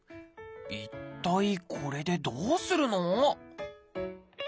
一体これでどうするの？